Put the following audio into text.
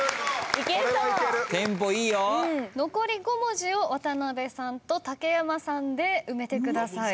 残り５文字を渡辺さんと竹山さんで埋めてください。